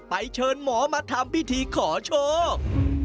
เชิญหมอมาทำพิธีขอโชค